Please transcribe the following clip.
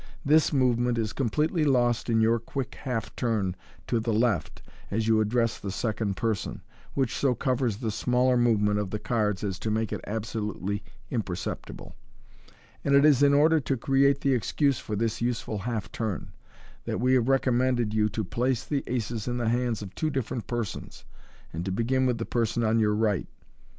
This movement is com pletely lost in your quick half turn to the left as you address the second person, which so covers the smaller movement of the cards as to make it absolutely imperceptible ; and it is in order to create the excuse for this useful half turn, that we have recommended you to place the aces in the hands of two different persons, and to begin with the person on your right.